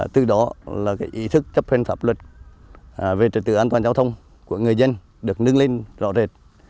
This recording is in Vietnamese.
từ đó là ý thức chấp hành pháp luật về trật tự an toàn giao thông của người dân được nâng lên rõ rệt